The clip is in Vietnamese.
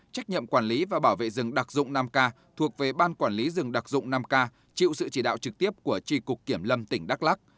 trách nhiệm quản lý và bảo vệ rừng đặc dụng nam ca thuộc về ban quản lý rừng đặc dụng nam ca chịu sự chỉ đạo trực tiếp của tri cục kiểm lâm tỉnh đắk lắc